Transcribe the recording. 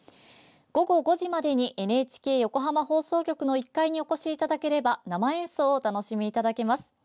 午後５時までにＮＨＫ横浜放送局の１階にお越しいただければ生演奏をお楽しみいただけます。